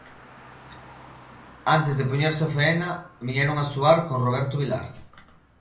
Antes de poñerse á faena viñeron a suar con Roberto Vilar.